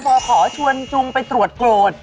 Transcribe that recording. พอขอชวนจุงไปตรวจโกรธ